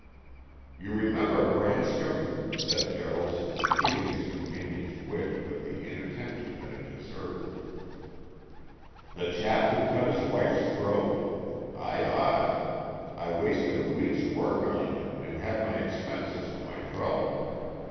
"You remember Branscom?" said Jaralson, treating his companion's wit with the inattention that it deserved. "The chap who cut his wife's throat? I ought; I wasted a week's work on him and had my expenses for my trouble.